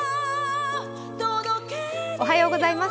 おはようございます。